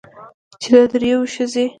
چې د درېو ښځې